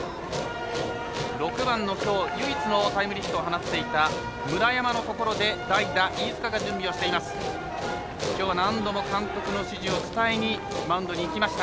６番のきょう唯一のタイムリーヒット放っていた村山のところで代打、飯塚が準備をしています。